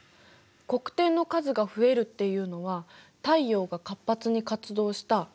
黒点の数が増えるっていうのは太陽が活発に活動した結果なんだよね。